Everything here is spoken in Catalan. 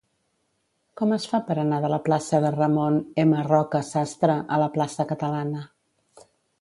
Com es fa per anar de la plaça de Ramon M. Roca Sastre a la plaça Catalana?